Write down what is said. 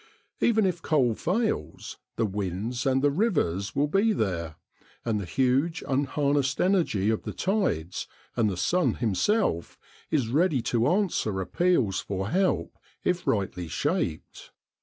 Even if coal fails, the winds and the rivers will be there, and the huge unharnessed energy of the tides, and the sun himself is ready to answer appeals for help, if rightly shaped.